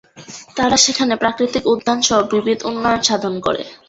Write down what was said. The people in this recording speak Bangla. তারা সেখানে প্রাকৃতিক উদ্যান সহ বিবিধ উন্নয়ন সাধন করে।